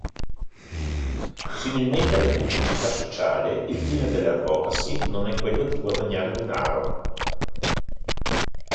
Similmente alla pubblicità sociale il fine dell'advocacy non è quello di guadagnare denaro.